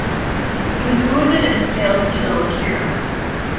He was wounded and failed to kill Kira.